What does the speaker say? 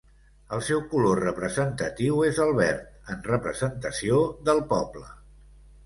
El seu color representatiu és el verd, en representació del poble.